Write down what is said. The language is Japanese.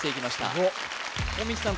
すごっ大道さん